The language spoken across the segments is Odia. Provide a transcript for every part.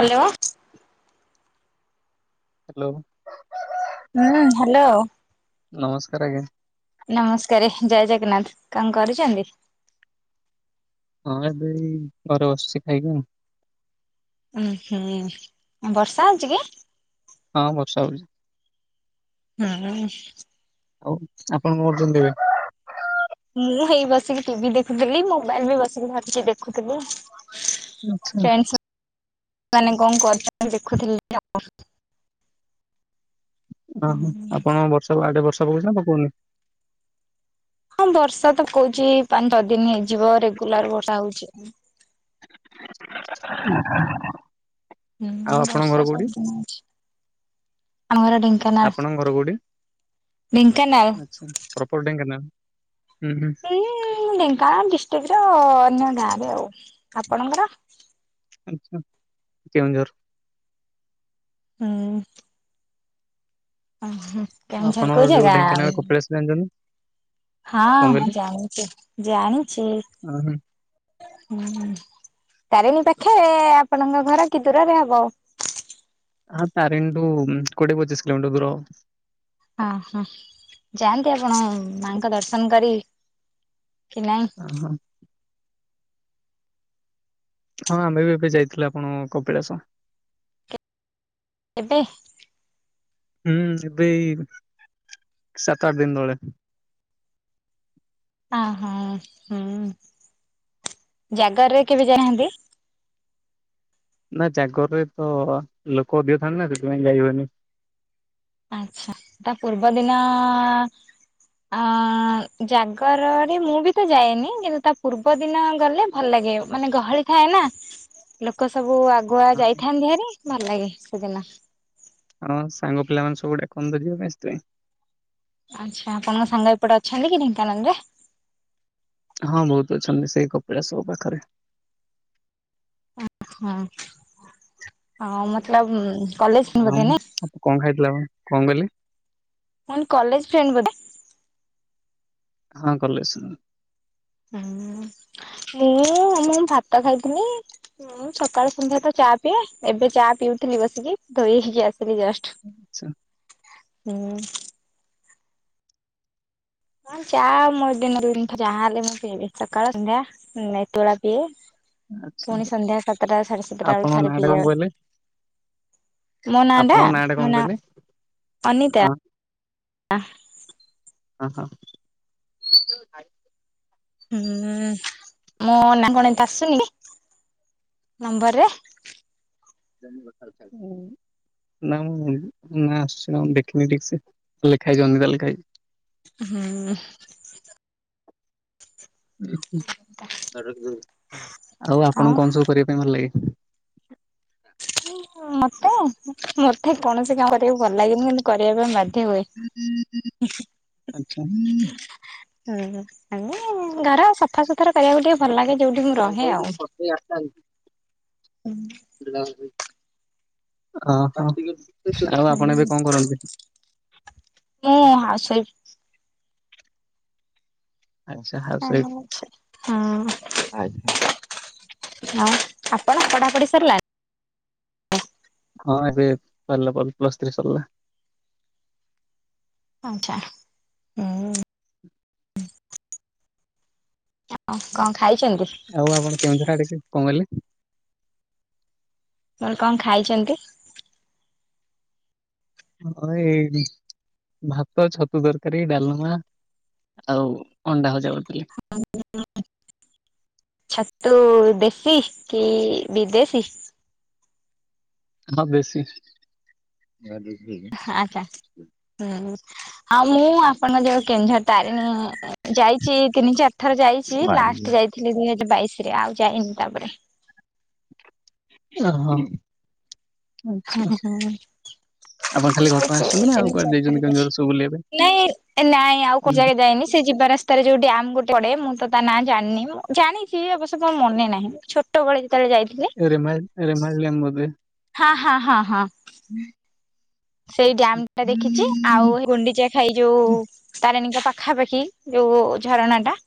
ହ୍ୟାଲୋ। ହ୍ୟାଲୋ। ହୁଁ ହ୍ୟାଲୋ। ନମସ୍କାର ଆଜ୍ଞା। ନମସ୍କାର ଜୟ ଜଗନ୍ନାଥ କ କରୁଛନ୍ତି? ହଁ ଏବେ ଏଇ ଘରେ ବସଛି ଖାଇକି ଆଉ। ଉଁ ହୁଁ ବର୍ଷା ହଉଛି କି? ହଁ ବର୍ଷା ହଉଛି। ହୁଁ। ଅଉ ଆପଣ କଣ କରୁଛନ୍ତି ଏବେ? ମୁଁ ହେଇ ବସିକି ଟିଭି ଦେଖୁଥିଲି ମୋବାଇଲ ବି ବସିକି ଧରିକି ଦେଖୁଥିଲି। ଆଚ୍ଛା କଣ କରି ଦେଖୁଥିଲେ ଆ [unintelligible] ଓହୋ ଆପଣ ବର୍ଷ ଆଡେ ବର୍ଷ ପକଉଛି ନା ପକଉନି? ହଁ ବର୍ଷା ପକଉଛି ପାଞ୍ଚ ଛ ଦିନ ହେଇଯିବ ରେଗୁଲାର ବର୍ଷା ହଉଛି। ହ [unintelligible] ହୁଁ ବର୍ଷା ସବୁଦିନ ହଉଛି ଆମ ଘର ଢେଙ୍କା ଆପଣଙ୍କ ଘର କେଉଠି? ଢେଙ୍କାନାଳ। ଆଚ୍ଛା ପ୍ରପର ଢେଙ୍କାନାଳ ହୁଁ ହୁଁ? ଏ ଢେଙ୍କାନାଳ ଡିଷ୍ଟ୍ରିକ୍ ର ଅନ୍ୟ ଗାଁରେ ଆଉ ଆପଣଙ୍କର? ଆଛା କେଉଁଝର। ହୁଁ। ଓ ହୋ କେଉଁଝର କୋଉ ଜାଗା? ନନ [unintelligible] ହଁ ଜାଣିଛି ଜାଣିଛି ଓହୋ ହୁଁ ତାରିଣୀ ପାଖେ ଆପଣଙ୍କ ଘର କି ଦୂରରେ ହବ? ହଁ ତାରିଣୀ ଠୁ କୋଡିଏ ପଚିଶି କିଲୋ ମିଟର ଦୂର ହବ। ହଁ ହଁ ଯାଆନ୍ତି ଆପଣ ମାଙ୍କ ଦର୍ଶନ କରି କି ନାଇ? ଓହଁ। ହଁ ଆମ୍ଭେ ବି ଏବେ ଯାଇଥିଲୁ ଆପଣ ଙ୍କ କପିଳାସ। କେବେ? ହୁଁ ଏବେ ଏଇ ସାତ ଆଠ ଦିନ ତଳେ। ଅହୋ ହୁଁ ଜାଗରରେ କେବେ ଯାଇନାହାନ୍ତି? ନା ଜାଗରରେ ତ ଲୋକ ଅଧିକ ଥାନ୍ତି ନା ସେଥିପାଇଁ ଯାଇ ହୁଏନି। ଆଚ୍ଛା ତା ପୂର୍ବ ଦିନ ଆ ଜାଗରରେ ମୁଁ ବି ତ ଯାଏନି କିନ୍ତୁ ତା ପୂର୍ବ ଦିନ ଗଲେ ଭଲ ଲାଗେ ମାନେ ଗହଳି ଥାଏ ନା ଲୋକ ସବୁ ଆଗ ଗୁଆ ଅହ। ଯାଇଥାନ୍ତି ଭଲ ଲାଗେ ସେଦିନ। ହଁ ସାଙ୍ଗ ପିଲା ମାନେ ସବୁ ଡାକନ୍ତି ଯିବା ପାଇଁ ସେଥିପାଇଁ। ଆଚ୍ଛା ଆପଣଙ୍କ ସାଙ୍ଗ ଏପଟେ ଅଛନ୍ତି କି ଢେଙ୍କାନାଳ ରେ? ହଁ ବହୁତ ଅଛନ୍ତି ସେଇ କପିଳାସ ଙ୍କ ପାଖରେ। ହୁଁ ହ ମତଲବ କଲେଜ ହଁ ବୋଧେ ମୁଁ, ନା କଣ ଖାଇଥିଲେ ଆପଣ? କଣ କହିଲେ? ହୁଁ କଲେଜ ଫ୍ରେଣ୍ଡ ବୋଧେ? ହଁ କଲେଜଶୂନ୍ ହୁଁ ମୁଁ ମୁଁ ଭାତ ଖାଇଥିଲି। ମୁଁ ସକାଳ ସନ୍ଧ୍ୟା ତ ଚା ପିଏ, ଏବେ ଚା ପିଉଥିଲି ବସିକି ଧୋଇ ହେଇକି ଆସିଲି ଜଷ୍ଟ। ଆଚ୍ଛା। ହୁଁ। ହଁ ଚା ମୋ ଦିନକୁ ଦି ଥର ଚା ହେଲେ ମୁଁ ପିଇବି ସକାଳ ସଂଧ୍ୟା। ନାଇଁ ତୋଳା ପିଏ। ଆଚ୍ଛା ପୁଣି ସନ୍ଧ୍ୟା ସାତଟା ସାଢେ ସାତଟା ବେଳେ ଆପଣଙ୍କ ଥରେ ନାଁ ଟା କଣ ପିଏ। କହିଲେ? ମୋ ନାଁଆଟା, ଆପଣଙ୍କ ଟା କଣ ମୋ ନାଁ, କହିଲେ? ଅନିତା। ହଁ ହଁ, ହଁ। ହୁଁ ମୋ ନା କଣ [unintelligible] ଆସୁନି ନମ୍ବରରେ? [unintelligible] ନା ମୁଁ ନାଁ ଆସୁଛି ନା କଣ ଦେଖିନି ଠିକ୍ ସେ, ଲେଖା ହେଇଚି ଅନିତା ଲେଖା ହେଇଚି। ହୁଁ। ଆଉ ଆଉ ଆପଣଙ୍କୁ କଣ ସବୁ କରିବା ପାଇଁ ଭଲ ଲାଗେ? [unintelligible] ମତେ, ମତେ କୌଣସି କାମ କରିବାକୁ ଭଲ ଲାଗେନି କିନ୍ତୁ କରିବା ପାଇଁ ବା ଧ୍ୟ ହୁଏ। ଆଚ୍ଛା [unintelligible] ହୁଁ ଏମି ଘର ସଫା ସୁତୁରା କରିବାକୁ ଟିକେ ଭଲ ଲାଗେ। ଯୋଉଠି ମୁଁ ରହେ ଆଉ। [unintelligible] ଓହଁ, ଆଉ ଆପଣ ଏବେ କଣ କରନ୍ତି? ମୁଁ ହାଉସୱାଇଫ୍। ଆଚ୍ଛା ହାଉସୱାଇଫ୍, ହଁ ଆଜ୍ଞା। ଆଉ ଆପଣ ପଢ଼ାପଢି ସରିଲା? ହଁ ଏବେ ସରିଲା ପଲ୍ ପ୍ଲସ୍ଥ୍ରୀ ସରିଲା। ଆଁଚ୍ଛା, ଉଁ। ଆଉ କଣ ଖାଇଚନ୍ତି? ଆଉ ଆପଣ କେଉଁଝର ଆଡେ କି, କଣ କହିଲେ? ମୁଁ କହିଲି କଣ ଖାଇଚନ୍ତି? ଆମର ଏଇଟି ଭାତ, ଛତୁ ତରକାରୀ, ଡାଲମା। ଆଉ ଅଣ୍ଡା ଭଜା କରିଥିଲେ। [unintelligible] ଛତୁ ଦେଶୀ କି ବିଦେଶୀ? ହଁ ଦେଶୀ। [unintelligible] ଆଚ୍ଛା। ହୁଁ, ଆଉ ମୁଁ ଆପଣଙ୍କ ଯୋଉ କେଉଁଝର ତାରିଣୀ ଯାଇଚି ତିନି ଚାରି ଥରେ ଯାଇଚି, ଲାଷ୍ଟ ଯାଇଥିଲି ଦିଇ ହଜାର ବାଇଶିରେ ଆଉ ଯାଇନି ତାପରେ। ଓହୋ। ହୁଁ ଆଚ୍ଛା ହୁଁ। ଆପଣ ଖାଲି ଘଟଗାଁ ଆସିଛନ୍ତି ନା ଆଉ କୁଆଡେ ଯାଇଛନ୍ତି [unintelligible] କେଉଁଝର ସବୁ ବୁଲିବା ପାଇଁ? ନାଇଁ, ନାଇଁ ଆଉ କୋଉ ଯାକେ ଯାଇନି ସେ ଯିବା ରାସ୍ ସ୍ତାରେ ଯୋଉ ଡ୍ୟାମ୍ ଗୋଟେ ପଡେ ମୁଁ ତ ତା ନାଁ ଜାଣିନି ମୁଁ ଜାଣିଚି ଅବଶ୍ୟ ମୋ ମନେ ନାହିଁ, ମୁଁ ଛୋ ଟବେଳେ ଯେତେବେଳେ ଯାଇଥିଲି ରେମାଲ୍, ରେମାଲ୍ ଡ୍ୟାମ୍ ବୋଧେ? ହାଁ, ହଁ, ହଁ, ହଁ। [inaudible] ସେଇ ଡ୍ୟାମ୍ ଟା ଦେଖିଚି, ଆଉ ଏ ଗୁଣ୍ଡିଚା ଘାଇ ଯୋଉ ତାରିଣୀଙ୍କ ପାଖାପାଖି ଯୋଉ ଝରଣାଟା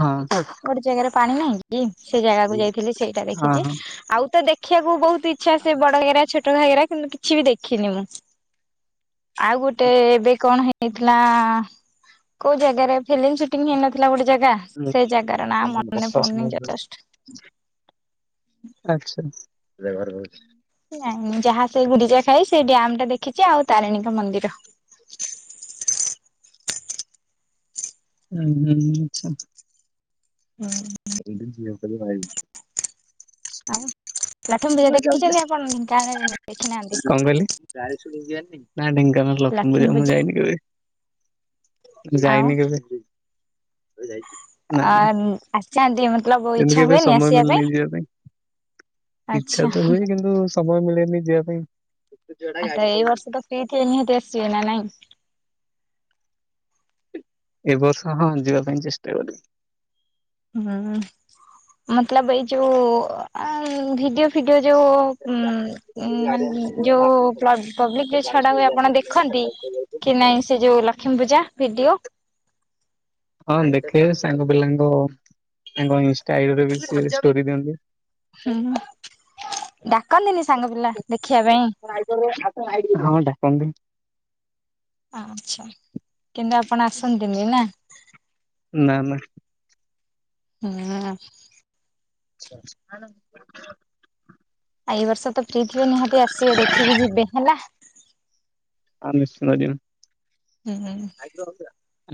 ହଁ ଗୋଟେ ଜାଗାରେ ପାଣି ନାହିଁ କି ସେ ଜାଗାକୁ ଯାଇଥିଲି ସେଇଟା ହଁ ଦେଖିଛି, ହଁ। ଆଉ ତ ଦେ ଦେଖିବାକୁ ବହୁତ ଇଚ୍ଛା ସେ ବଡ ଘାଗେରା ଛୋଟ ଘାଗେରା କିନ୍ତୁ କିଛି ବି ଦେଖିନି ମୁଁ। ଆଉ ଗୋଟେ ଏବେ କଣ ହେ ହେଇଥିଲା, କୋଉ ଜାଗାରେ ଫିଲ୍ମ ସୁଟିଂ ହେଇନଥିଲା ଗୋଟେ ଜାଗା ସେ ଜାଗାର ନା ମନେ ପଡୁନି ଜଷ୍ଟ ଆଚ୍ଛା [unintelligible] ନାଇଁ ନାଇଁ ଯାହା ସେ ଗୁଣ୍ଡିଜା ଖାଇ, ସେଇ ଡ୍ୟାମ୍ ଟା ଦେଖିଛି, ଆଉ ତାରିଣୀଙ୍କ ମନ୍ଦିର। ହୁଁ, ହୁଁ ଛା ହୁଁ। [unintelligible] ଆଉ ଲକ୍ଷ୍ମୀ ପୂଜା ଦେଖିଛନ୍ତି ଆପଣ ଡେଙ୍କାନାଲ ରେ ନା ଦେଖିନାହାନ୍ତି? କଣ କହିଲେ ନା ଢେଙ୍କାନାଳ ଲକ୍ଷ୍ମୀ ପୂଜା କୁ ମୁଁ ଯାଇନି କେବେ। ଯାଇନି କେବେ। ନା [inaudible] ଅ ନା ଆସଛନ୍ତି ମତଲବ ସେମିତି ଇଚ୍ଛା କେବେ ହୁଏନି ସମୟ ଆସିବା ମିଳୁନି ପାଇଁ? ଯିବା ଇଚ୍ଛା ଆଚ୍ଛା। ତ ହୁଏ କିନ୍ତୁ ସମୟ ମିଳେନି ଯିବା ପାଇଁ। ଆ ତ ଏଇ ବର୍ଷ ତ ଫ୍ରି ଥିବେ ନିହାତି ଆସିବେ ନା ନାଇଁ? ଏ ବର୍ଷ ହଁ, ଯିବା ପାଇଁ ଚେଷ୍ଟା କରିବି। ହୁଁ, ମତଲବ ଏଇ ଯୋଉ ଅଁ ଭିଡିଓ ଫିଡିଓ ଯୋଉ ଉ ମାନେ ଯୋଉ ପ୍ଲ ପବ୍ଲିକରେ ଯୋଉ ଛଡ଼ା ହୁଏ ଆପଣ ଦେଖନ୍ତି? କି ନାଇଁ ସେ ଯୋଉ ଲକ୍ଷ୍ମୀ ପୂଜା ଭିଡିଓ ହଁ ଦେଖେ ସାଙ୍ଗ ପିଲାଙ୍କ ତାଙ୍କ ଇନ୍ଷ୍ଟା ଆଇଡି ରେ ବି ସେ ଷ୍ଟୋରି ଦିଅନ୍ତି ହୁଁ, ଡାକନ୍ତିନି ସାଙ୍ଗ ପିଲା ଦେଖିବା ପାଇଁ? [unintelligible] ହଁ ଡାକନ୍ତି। ଆଚ୍ଛା। କିନ୍ତୁ ଆପଣ ଆସନ୍ତିନି ନା? ନା ନା। ହୁଁ [unintelligible] ଆନନ୍ଦ ଏଇ ବର୍ଷ ତ ଫ୍ରି ଥିବେ ନିହାତି ଆସିବେ ଦେଖିକି ଯିବେ ହେଲା। ହଁ ନିଶ୍ଚିତ ଯିବି। ହୁଁ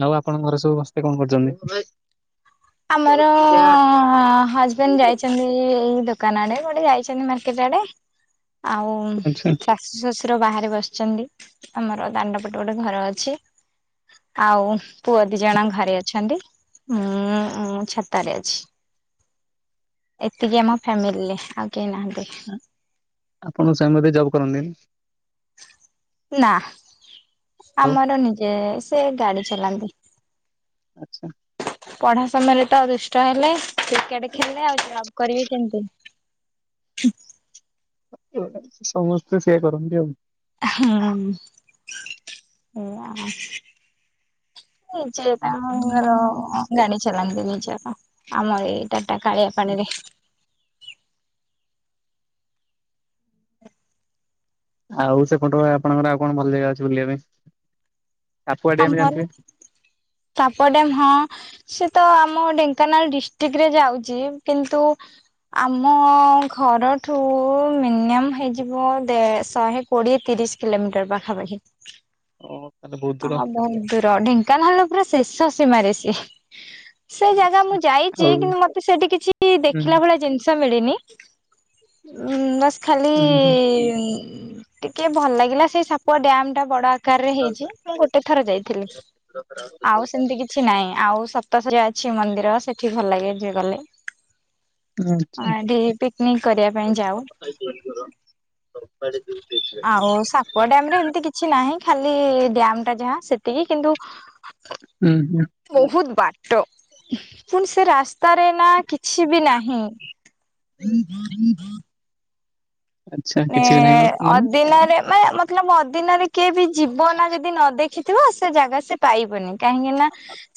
ଆଉ ଆପଣଙ୍କ ଘରେ ସବୁ ସମସ୍ତେ କଣ କରୁଛନ୍ତି? ଆମର ଅ ହଜବେଣ୍ଡ ଯାଇଛି ନ୍ତି ଏଇ ଦୋକାନ ଆଡେ କୁଆଡ଼େ ଯାଇଛନ୍ତି ମାର୍କେଟ ଆଡେ ଆଉ ଆଚ୍ଛା ଶଶୁର ବାହାରେ ବସିଛନ୍ତି। ଆମର ଦାଣ୍ଡପଟେ ଗୋଟେ ଘର ଅଛି। ଆଉ ପୁଅ ଦି ଜଣ ଘରେ ଅଛନ୍ତି। ଉଁ ମୁଁ ଛାତରେ ଅଛି। ଏତିକି ଆମ ଫ୍ୟାମିଲିରେ ଆଉ କେହି ନାହାନ୍ତି। ଆପଣଙ୍କ ସ୍ବାମୀ ବୋଧେ ଜବ୍ କରନ୍ତିନି? ନା ଆଉ ଆମର ନିଜେ ସେ ଗାଡି ଚଲାନ୍ତି। ଆଚ୍ଛା। ପଢ଼ା ସମୟରେ ତ ଦୁଷ୍ଟ ହେଲେ, କ୍ରିକେଟ୍ ଖେଳିଲେ, ଆଉ ଜବ୍ କରିବେ କେମିତି? ଅତି ଗୋଟେ, ସମସ୍ତେ ସେୟା କରନ୍ତି ଆଉ ହୁଁ, ଏଇଆ ନିଜେ ତାଙ୍କର ଗାଡ଼ି ଚଲାନ୍ତି ନିଜର, ଆମର ଏଇ ଟାଟା କାଳିଆ ପାଣିରେ। ଆଉ ସେପଟ ଆପଣଙ୍କର ଆଉ କଣ ଭଲ ଜାଗା ଅଛି ବୁଲିବା ପାଇଁ? ସାପୁଆ ଡ୍ୟାମ୍ ଆମର ଜାଣିଥିବେ? ସାପଡ୍ୟାମ, ହଁ। ସେ ତ ଆମ ଢେଙ୍କାନାଳ ଡିଷ୍ଟ୍ରିକ ରେ ଯାଉଛି, କିନ୍ତୁ ଆମ ଘରଠୁ ମିନିମମ୍ ହେଇଯିବ ଦେ ଶହେ କୋଡ଼ିଏ, ତିରିଶ କିଲୋମିଟର ପାଖାପାଖି। ଓହୋ ତାହେଲେ ବହୁତ? ଦୂର ହଁ ବନତୂରା ଢେଙ୍କାନାଳ ପୁରା ଶେଷ ସୀମାରେ ସିଏ। ସେ ଜାଗା ମୁଁ ଆଚ୍ଛା ଯାଇଚି, ଆଉ କିନ୍ତୁ ମତେ ସେଠି କିଛି ହୁଁ ଦେଖିଲା ଭଳିଆ ଜିନିଷ ସେ ମିଳିନି ଉଁ ବାସ୍ ଖାଲି। ହୁଁ ହୁଁ ଟିକେ ଭଲ୍ ଲାଗିଲା। ସେଇ ସାପ ଡ୍ୟାମ୍ ଟା ବଡ଼ ଆକାରରେ ହେଇଚି। ମୁଁ ଗୋଟେ ଥର ଯାଇଥିଲି ଆଉ ସେମ୍ ଏମତି କିଛି ନାଇଁ। ଆଉ ସପ୍ତାଶରିଆ ଯାଇଛି ମନ୍ଦିର। ସେଠି ଭଲ ଲାଗେ ଯିବା ଲାଗ୍। ଆଚ୍ଛା ଆଉ ଡିଏ ପିକ୍ ନିକ୍ କରିବା ପାଇଁ ଯାଉ। କବାଟେ ଦୁଇ ତିନଟା ଲାଗି। ବଡ଼ ଡ୍ୟାମଟା ହେମତି କିଛି ନାହିଁ। ଖାଲି ଡ୍ୟାମଟା ଯାହା ସେତିକି କିନ୍ତୁ। ଉଁ ହୁଁ। ବହୁତ ବାଟ ପୁଣି ସେ ରାସ୍ତାରେ ନା କିଛ୍? ଛିବି ନାହିଁ। ଆଚ୍ଛା ଏ କିଛି ବି ନାହିଁ ମାନେ ଅଦିନରେ ମାନେ ମତଲବ ଅଦିନରେ କିଏ ବି ଯିବ ନା ଯଦି ନ ଦେଖି? ଥିବ ସେ ଜାଗା ସେ ପାଇବନି କାହିଁକି ନା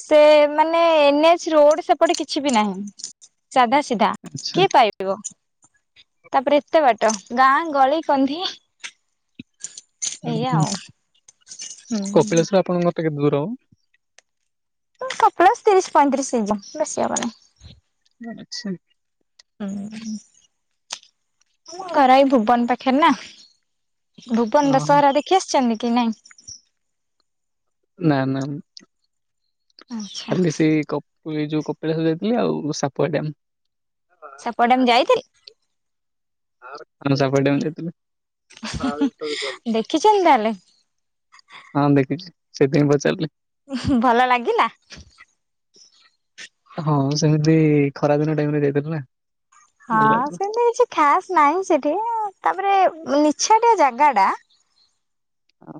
ସେ ମାନେ ଏନ୍ ଏଚ୍ ରୋଡ୍ ସେପଟେ କିଛି ବି ନାହିଁ। ସାଧାସିଧା ଆଚ୍ଛା କିଏ ପାଇବ? ତା, ପରେ ଏତେ ବାଟ! ଗାଁ ଗଳି, କନ୍ଦି। ହୁଁ ହୁଁ। ଆଉ ହୁଁ। କପିଳାଶ୍ୱର ଆପଣଙ୍କ କେତେ ଦୂର? ହଁ କପିଳାସ ତିରିଶ, ପଇଁତିରିଶ ହେଇଯିବ। ବେଶୀ ହେବ ନାହିଁ। [unintelligible] ହୁଁ ମୁଁ ଆର୍ ଆଇ ଭୁବନ ପାଖରେ ନା? ଭୁବନ ଓହୋ ଦଶହରା ଦେଖି ଆସିଛନ୍ତି କି ନାଇଁ? ନା ନା। ଆଚ୍ଛା ଖାଲି ସେଇ କପ ଯୋଉ କପିଳାସ ଯାଇଥିଲି ଆଉ ସାପୁଆ ଡ୍ୟାମ୍। ସାପୁଆ ଡ୍ୟାମ୍ ଯାଇଥିଲେ? ସାପୁଆ ଡ୍ୟାମ୍ ଯାଇଥିଲୁ? [unintelligible] ଦେଖିଚନ୍ ତା'ହେଲେ? ହଁ ଦେଖିଚି। ସେଥିପାଇଁ ପଚାରିଲି। [unintelligible] ଭଲ ଲାଗିଲା। ହଁ ସେମିତି ଖରାଦିନ ଟାଇମ୍ ରେ ଯାଇଥିଲି ନା। ହଁ ଭଲ ଲାଗୁଥିଲା। ସେମତି କିଛି ଖାସ୍ ନାହିଁ ସେଠି। ତା, ପରେ ନିଛାଟିଆ ଜାଗା ଟା। ହ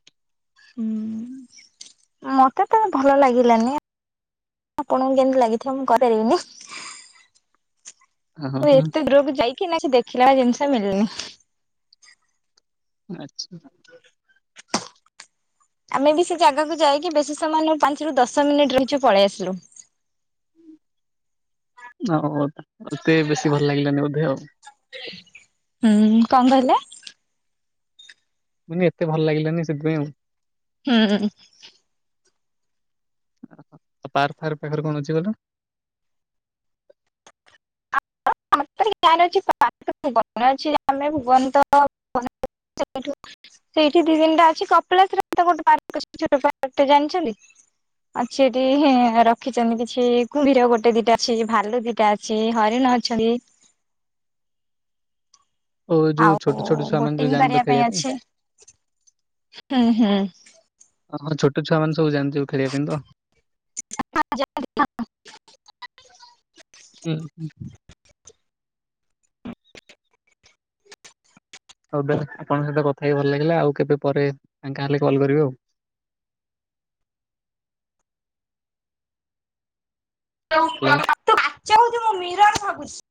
ହୁଁ ମତେ ତ ଭଲ ଲାଗିଲାନି। ଆପଣଙ୍କୁ କେମତି ଲାଗିଥିବ ମୁଁ କହିପାରିବିନି। ହଁ ହଁ ମୁଁ ହଁ, ଏତେ ଦୂରକୁ ଯାଇକି ନା ସେ ଦେଖିଲା ଜିନିଷ ମିିଳିନି। ଆଚ୍ଛା। ଆମେ ବି ସେ ଜାଗାକୁ ଯାଇକି ବେଶୀ ସମୟ ନାଇଁ ପାଞ୍ଚରୁ ଦଶ ମିନିଟ୍ ରହିଚୁ ପଳେଇ ଆସିଲୁ। ଆଉ ଦେଏ ବେଶୀ ଭଲ ଲାଗିଲାନି ବୋଧେ ଆଉ। ହୁଁ, କଣ କହିଲ? ମାନେ ଏତେ ଭଲ ଲାଗିଲାନି ସେଥିପାଇଁ ଆଉ। ହୁଁ। ପାର୍କ, ଫାର୍କ ପାଖରେ କଣ ଅଛି କହିଲ? [unintelligible] ସେଇଠି ଡିଜାଇନ୍ ଟା ଅଛି କପିଳାସରେ ଗୋଟେ ପାର୍କ ଅଛି ଛୋଟ ପାର୍କଟେ ଜାଣିଛନ୍ତି? ଅଛି ଏଠି ରଖିଛନ୍ତି କିଛି କୁମ୍ଭୀର ଗୋଟେ ଦିଟା ଅଛି ଭାଲୁ ଦିଟା ଅଛି ହରିଣ ଅଛନ୍ତି। ଓ ଯୋଉ ଆଉ ଛୋଟ ଛୋଟ ଛୁଆ ମାନେ ଯୋଉ ବୋଟିଂ ଯାଆନ୍ତି କରିବା ତ ପାଇଁ ଖେଳିବା ଅଛି ହୁଁ ହୁଁ। ଆମର ଛୋଟ ଛୁଆ ମାନେ ସବୁ ଯାଆନ୍ତି ଯୋଉ ଖେଳିବା ପାଇଁ ତ। [unintelligible] ହୁଁ। ହଉ ତାହେଲେ ଆପଣଙ୍କ ସହିତ କଥା ହେଇକି ଭଲ ଲାଗିଲା ଆଉ କେବେ ପରେ ଫାଙ୍କା ହେଲେ କଲ୍ କରିବେ ଆଉ। ତୁ ଆଉ। କାଚ ଭାବୁଚୁ ମୁଁ ମିରର ଭାବୁଛି।